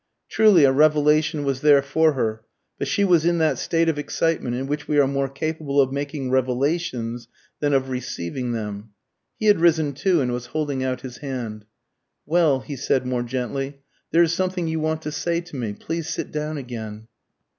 Truly a revelation was there for her; but she was in that state of excitement in which we are more capable of making revelations than of receiving them. He had risen too, and was holding out his hand. "Well," he said more gently, "there is something you want to say to me. Please sit down again."